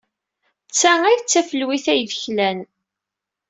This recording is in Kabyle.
D ta ay d tafelwit ay d-klan.